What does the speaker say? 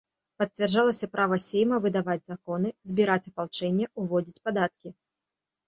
Пацвярджалася права сейма выдаваць законы, збіраць апалчэнне, уводзіць падаткі.